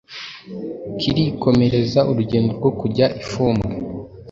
Kirikomereza urugendo rwokujya ifumbwe